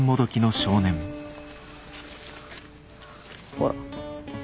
ほら。